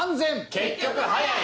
結局速い！